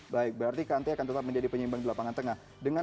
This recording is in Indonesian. baik berarti kanti akan tetap menjadi penyimbang di lapangan tengah